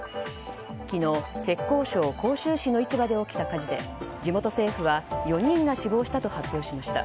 昨日、浙江省杭州市の市場で起きた火事で地元政府は４人が死亡したと発表しました。